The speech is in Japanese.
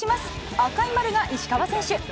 赤い丸が石川選手。